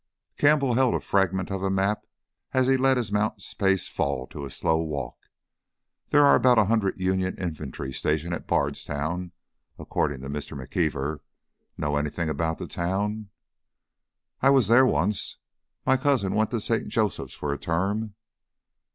Campbell held a fragment of map as he let his mount's pace fall to a slow walk. "There are about a hundred Union infantry stationed at Bardstown, according to Mr. McKeever. Know anything about the town?" "I was there once. My cousin went to St. Joseph's for a term."